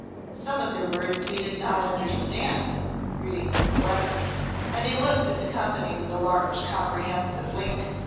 'Some of their words we did not understand'" reading from the letter, and he looked at the company with a large comprehensive wink.